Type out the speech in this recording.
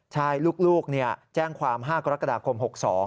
ใช่ลูกแจ้งความ๕กรกฎาคม๖๒